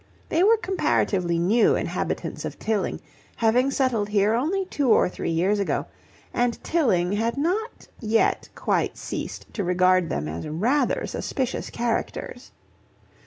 They were comparatively new inhabitants of Tilling, having settled here only two or three years ago, and Tilling had not yet quite ceased to regard them as rather suspicious characters.